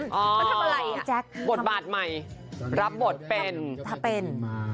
พี่แจ๊กวัดบาดใหม่รับบทเป็น